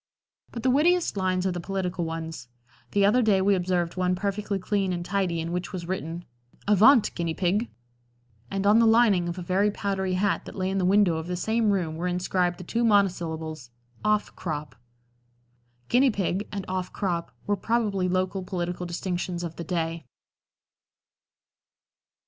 But the wittiest linings are the political ones. The other day we observed one perfectly clean and tidy in which was written: "Avaunt! Guinea Pig," and on the lining of a very powdery hat that lay in the window of the same room were inscribed the two monosyllables "Off crop." "Guinea pig" and "Off crop" were probably local political distinctions of the day.